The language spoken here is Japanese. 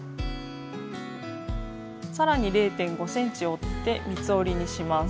さらに０．５ｃｍ折って三つ折りにします。